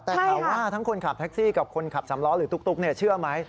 แต่ถามว่าทั้งคนขับแท็กซี่กับคนขับสำล้อหรือตุ๊กเชื่อไหม